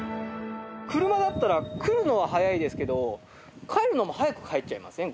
車だったら来るのは早いですけど帰るのも早く帰っちゃいません？